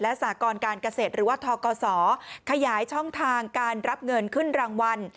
สากรการเกษตรหรือว่าทกศขยายช่องทางการรับเงินขึ้นรางวัล